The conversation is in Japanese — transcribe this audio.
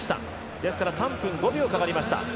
ですから３分５秒かかりました。